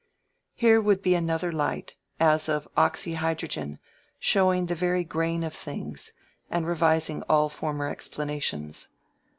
Here would be another light, as of oxy hydrogen, showing the very grain of things, and revising all former explanations.